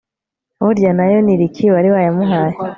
burya nayo ni Rick wari wayamuhaye